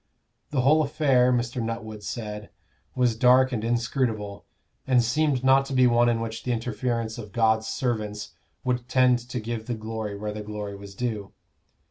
The whole affair, Mr. Nuttwood said, was dark and inscrutable, and seemed not to be one in which the interference of God's servants would tend to give the glory where the glory was due.